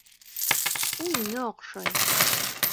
Ул миңә оҡшай.